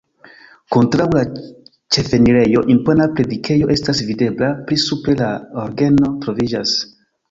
Kontraŭ la ĉefenirejo impona predikejo estas videbla, pli supre la orgeno troviĝas.